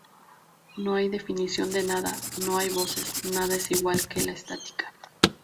No hay definición de nada, no hay voces, nada, es igual que la estática.